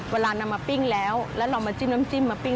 เวลานำมาปิ้งแล้วแล้วเรามาจิ้มน้ำจิ้มมาปิ้ง